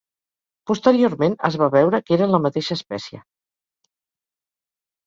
Posteriorment es va veure que eren la mateixa espècie.